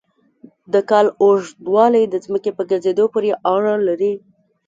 د کال اوږدوالی د ځمکې په ګرځېدو پورې اړه لري.